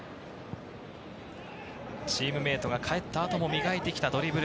チームメートが帰った後も磨いてきたドリブル。